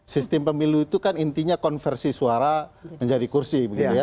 sistem pemilu itu kan intinya konversi suara menjadi kursi